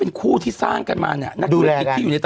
เซ็กอย่างงี้